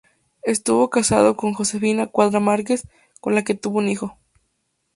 Estuvo casado con Josefina Cuadra Márquez, con la que tuvo un hijo.